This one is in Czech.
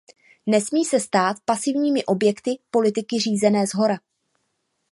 Nesmí se stát pasivními objekty politiky řízené shora.